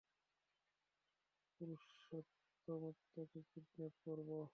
পুরুষোত্তমকে kidnap করবো।